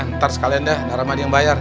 ntar sekalian dah naramadi yang bayar